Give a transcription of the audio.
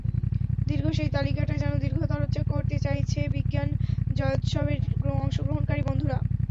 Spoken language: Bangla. দীর্ঘ সেই তালিকাটায় যেন দীর্ঘতর করতে চাইছে বিজ্ঞান জয়োৎসবের অংশগ্রহণকারী বন্ধুরা।